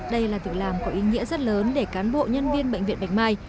đây là việc làm có ý nghĩa rất lớn để cán bộ nhân viên bệnh viện bạch mai